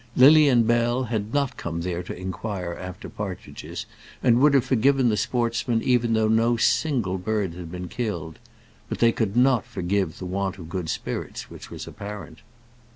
Lily and Bell had not come there to inquire after partridges, and would have forgiven the sportsmen even though no single bird had been killed. But they could not forgive the want of good spirits which was apparent.